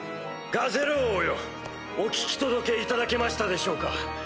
ガゼル王よお聞き届けいただけましたでしょうか？